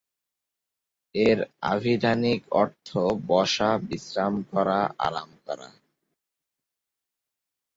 এর আভিধানিক অর্থ বসা, বিশ্রাম করা, আরাম করা।